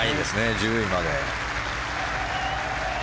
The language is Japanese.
１０位まで。